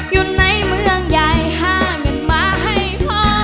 อยู่ในเมืองใหญ่หาเงินมาให้พ่อ